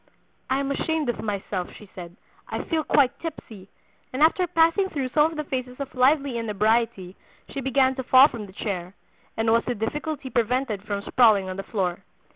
'I am ashamed of myself,' she said; 'I feel quite tipsy,' and after passing through some of the phases of lively inebriety she began to fall from the chair, and was with difficulty prevented from sprawling on the floor.